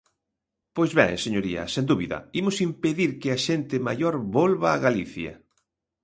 Pois ben, señoría, sen dúbida, imos impedir que a xente maior volva a Galicia.